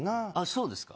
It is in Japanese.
そうですか。